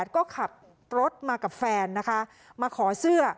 ก็ขับรถมากับแฟนนะคะมาขอเสื้อ